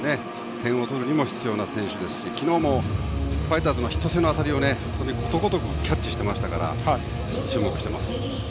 点を取るにも必要な選手ですし昨日もファイターズのヒット性の当たりをことごとくキャッチしていたので注目しています。